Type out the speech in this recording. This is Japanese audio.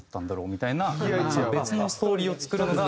みたいな別のストーリーを作るのが。